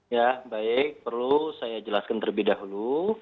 ya baik perlu saya jelaskan terlebih dahulu